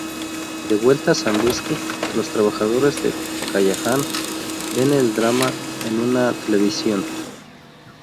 De vuelta a Sandusky, los trabajadores de Callahan ven el drama en una televisión.